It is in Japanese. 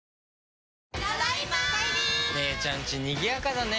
姉ちゃんちにぎやかだね。